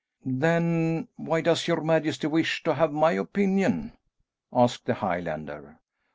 "Then why does your majesty wish to have my opinion?" asked the Highlander.